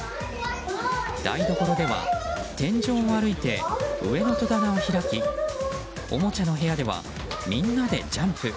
台所では天井を歩いて上の戸棚を開きおもちゃの部屋ではみんなでジャンプ。